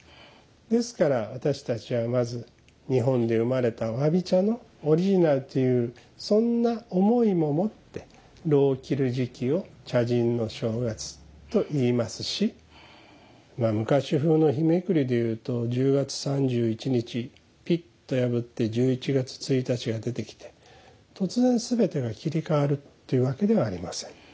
ですから私たちはまず日本で生まれた侘び茶のオリジナルというそんな思いも持って炉を切る時期を「茶人の正月」と言いますしまあ昔風の日めくりでいうと１０月３１日ぴっと破って１１月１日が出てきて突然全てが切り替わるっていうわけではありません。